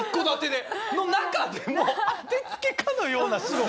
の中でも当てつけかのような白を。